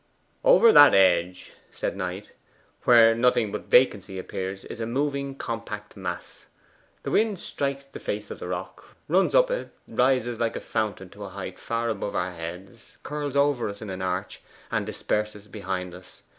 'Over that edge,' said Knight, 'where nothing but vacancy appears, is a moving compact mass. The wind strikes the face of the rock, runs up it, rises like a fountain to a height far above our heads, curls over us in an arch, and disperses behind us.